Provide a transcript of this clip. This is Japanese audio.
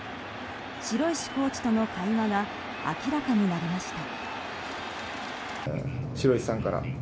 城石コーチとの会話が明らかになりました。